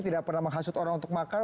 tidak pernah menghasut orang untuk makan